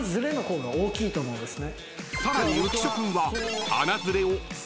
［さらに浮所君は］お！